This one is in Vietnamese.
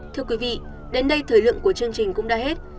thưa quý vị đến đây thời lượng của chương trình cũng đã hết